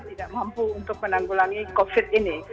tidak mampu untuk menanggulangi covid sembilan belas